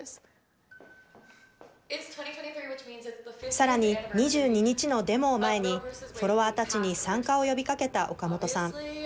さらに２２日のデモを前にフォロワーたちに参加を呼びかけたオカモトさん。